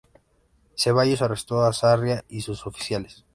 Cevallos arrestó a Sarriá y sus oficiales.